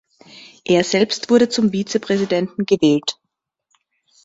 Er selbst wurde zum Vizepräsidenten gewählt.